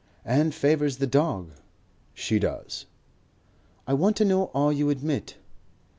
"And favours the dog." "She does." "I want to know all you admit."